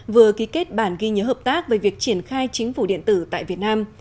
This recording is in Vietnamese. vừa ký kết bản ghi nhớ hợp tác về việc triển khai chính phủ điện tử tại việt nam